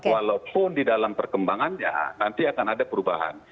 walaupun di dalam perkembangan ya nanti akan ada perubahan